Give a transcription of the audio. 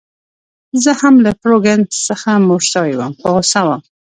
زه هم له فرګوسن څخه موړ شوی وم، په غوسه وم.